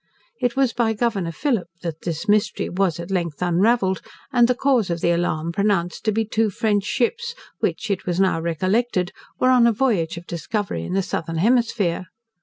It was by Governor Phillip, that this mystery was at length unravelled, and the cause of the alarm pronounced to be two French ships, which, it was now recollected, were on a voyage of discovery in the southern hemisphere.